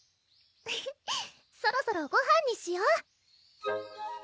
フフそろそろごはんにしよ！